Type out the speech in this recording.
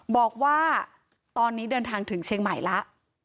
บอกว่าตอนนี้เดินทางถึงเชียงใหม่แล้ว